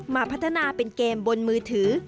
มาพัฒนาเป็นเกมบนมือถือ